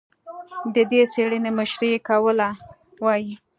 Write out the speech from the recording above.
د دې څېړنې مشري یې کوله، وايي